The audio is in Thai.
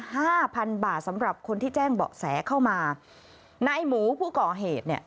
ห้าพันบาทสำหรับคนที่แจ้งเบาะแสเข้ามานายหมูผู้ก่อเหตุเนี่ย